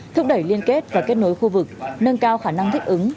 thúc đẩy liên kết và kết nối khu vực nâng cao khả năng thích ứng